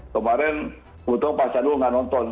kemarin gue tahu pak sadu nggak nonton